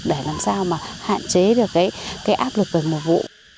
để làm sao mà hạn chế được cái áp lực về mùa vụ